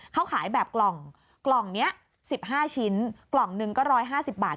เขาขายแบบกล่องกล่องนี้๑๕ชิ้นกล่องหนึ่งก็๑๕๐บาท